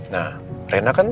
nah rena kan